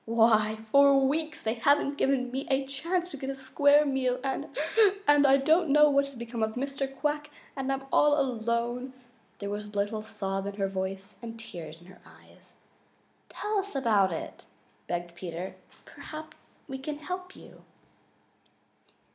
Why, for weeks they haven't given me a chance to get a square meal, and and I don't know what has become of Mr. Quack, and I'm all alone!" There was a little sob in her voice and tears in her eyes. "Tell us all about it," begged Peter. "Perhaps we can help you."